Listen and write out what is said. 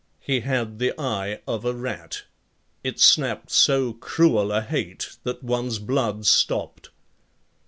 He had the eye of a rat. It snapped so cruel a hate that one's blood stopped.